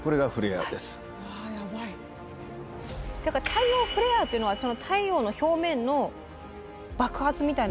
太陽フレアというのは太陽の表面の爆発みたいなもの？